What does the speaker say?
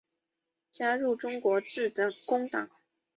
加入中国致公党。